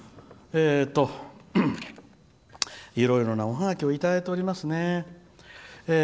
いろいろなおハガキをいただいておりますね。